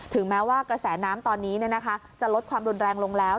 แม้ว่ากระแสน้ำตอนนี้จะลดความรุนแรงลงแล้ว